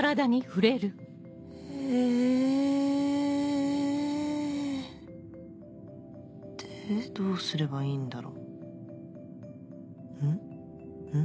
えぇでどうすればいいんだろ？ん？ん？